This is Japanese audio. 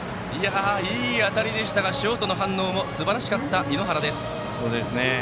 いい当たりでしたがショートの反応もすばらしかった、猪原です。